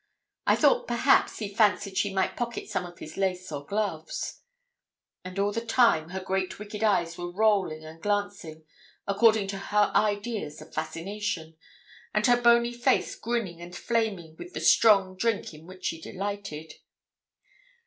I thought, perhaps, he fancied she might pocket some of his lace or gloves. And all the time her great wicked eyes were rolling and glancing according to her ideas of fascination, and her bony face grinning and flaming with the 'strong drink' in which she delighted.